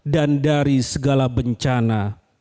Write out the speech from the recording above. dan dari segala bencana